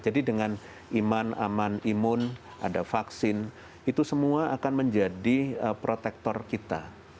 jadi dengan iman aman imun ada vaksin itu semua akan menjadi protektor kita